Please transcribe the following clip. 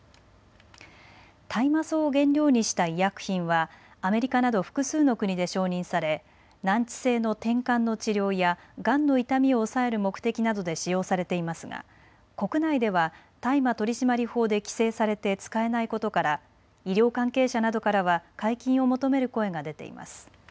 大麻草を原料にした医薬品はアメリカなど複数の国で承認され難治性のてんかんの治療やがんの痛みを抑える目的などで使用されていますが国内では大麻取締法で規制されて使えないことから医療関係者などからは解禁を求める声が出ています。